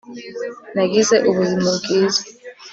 Nagize ubuzima bwiza